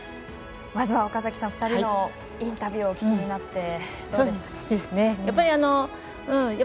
まずは岡崎さん２人のインタビューお聞きになってどうでしたか？